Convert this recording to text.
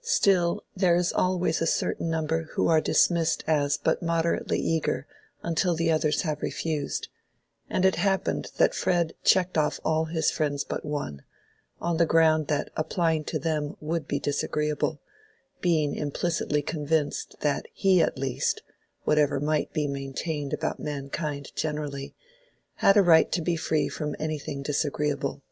Still there is always a certain number who are dismissed as but moderately eager until the others have refused; and it happened that Fred checked off all his friends but one, on the ground that applying to them would be disagreeable; being implicitly convinced that he at least (whatever might be maintained about mankind generally) had a right to be free from anything disagreeable.